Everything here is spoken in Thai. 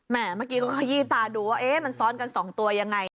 เมื่อกี้ก็ขยี้ตาดูว่ามันซ้อนกัน๒ตัวยังไง